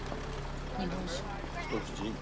日本酒。